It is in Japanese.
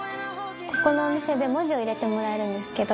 ここのお店で文字を入れてもらえるんですけど。